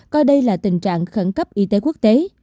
coi đây là tình trạng khẩn cấp y tế quốc tế